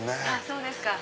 そうですか。